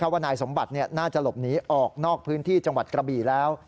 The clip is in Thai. ว่านายสมบัติน่าจะหลบหนีออกนอกพื้นที่จังหวัดกระบี่แล้ว